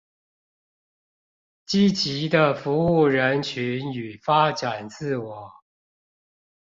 積極的服務人群與發展自我